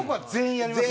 やります。